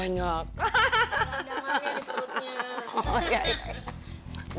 udah nganya di perutnya